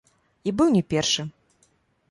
І быў не першы.